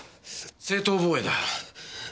正当防衛だ。